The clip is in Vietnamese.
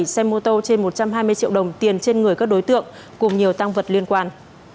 một mươi xe mô tô trên một trăm hai mươi triệu đồng tiền trên người các đối tượng cùng nhiều tăng vật liên quan